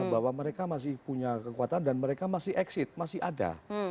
bahwa mereka masih punya kekuatan dan mereka masih exit masih ada